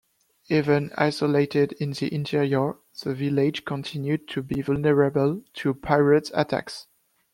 Even isolated in the interior, the village continued to be vulnerable to pirate attacks.